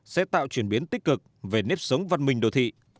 sẽ tạo chuyển biến tích cực về nếp sống văn minh đô thị